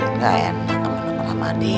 enggak enak temen temen armani